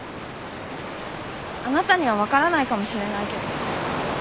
あなたには分からないかもしれないけど。